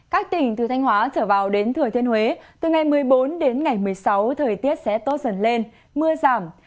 các tỉnh từ thanh hóa trở vào đến thừa thiên huế từ ngày một mươi bốn đến ngày một mươi sáu thời tiết sẽ tốt dần lên mưa giảm